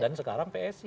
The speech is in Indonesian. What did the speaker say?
dan sekarang psi